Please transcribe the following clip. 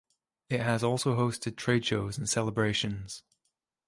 It has also hosted trade shows and celebrations.